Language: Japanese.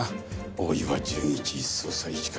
大岩純一捜査一課長。